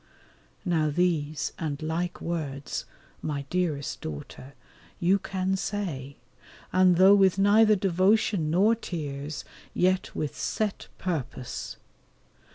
Now these and like words, my dearest daughter, you can say, and though with neither devotion nor tears, yet with set purpose.